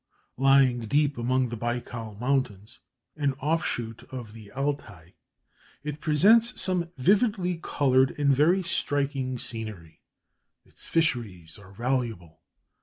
Lying deep among the Baikal mountains, an offshoot of the Altai, it presents some vividly coloured and very striking scenery. Its fisheries are valuable.